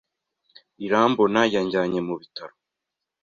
Irambona yajyanywe mu bitaro.